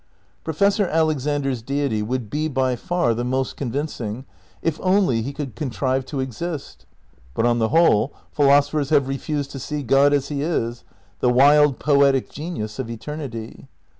Professor Alexander's Deity would be by far the most convincing, if only he could contrive to exist. But, on the whole, philosophers have refused to see God as he is : the wild poetic genius of eternity.